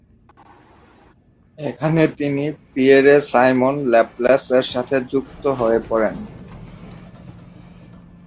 এখানে তিনি পিয়েরে-সাইমন ল্যাপলেস-এর সাথে যুক্ত হয়ে পড়েন।